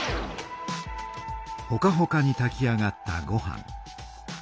ほかほかにたき上がったごはん。